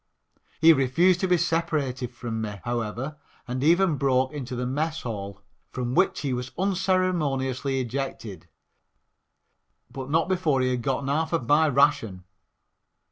He refused to be separated from me, however, and even broke into the mess hall, from which he was unceremoniously ejected, but not before he had gotten half of my ration.